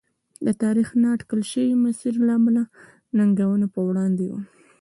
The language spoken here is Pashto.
د تاریخ نااټکل شوي مسیر له امله ننګونو پر وړاندې و.